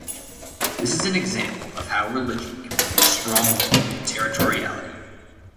This is an example of how religion can play a strong role in territoriality.